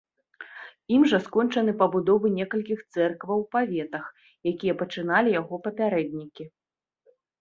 Ім жа скончаны пабудовы некалькіх цэркваў у паветах, якія пачыналі яго папярэднікі.